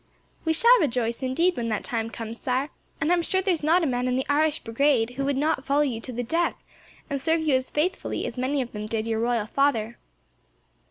"We shall all rejoice, indeed, when that time comes, Sire; and I am sure there is not a man in the Irish Brigade who will not follow you to the death, and serve you as faithfully as many of them did your royal father."